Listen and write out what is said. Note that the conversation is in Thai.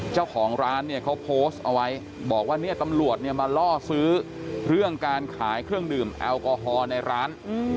เจ้าของร้านเนี่ยเขาโพสต์เอาไว้บอกว่าเนี่ยตำรวจเนี่ยมาล่อซื้อเรื่องการขายเครื่องดื่มแอลกอฮอล์ในร้าน